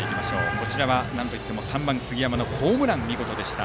こちらはなんといっても３番、杉山のホームラン、見事でした。